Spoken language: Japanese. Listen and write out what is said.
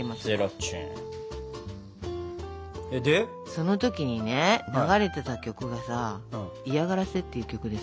その時にね流れてた曲がさ「嫌がらせ」っていう曲でさ。